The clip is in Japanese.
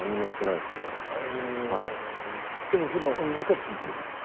でも普段音楽は聞いてる？